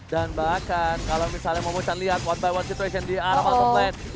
dan bahkan kalau misalnya mau bisa lihat one by one situation di arah bottom lane